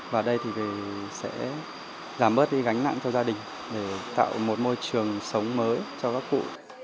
và đây thì sẽ giảm bớt đi gánh nặng cho gia đình để tạo một môi trường sống mới cho các cụ